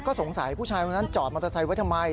สงสัยผู้ชายคนนั้นจอดมอเตอร์ไซค์ไว้ทำไม